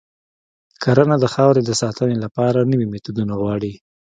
کرنه د خاورې د ساتنې لپاره نوي میتودونه غواړي.